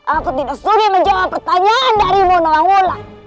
aku tidak sudi menjawab pertanyaan darimu nauwul